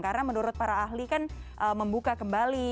karena menurut para ahli kan membuka kembali